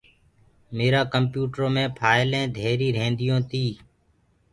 ميرآ ڪمپيوٽرو مي ڦآئلين ڌيري ريهنديو تي۔